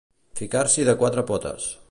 Ficar-s'hi de quatre potes.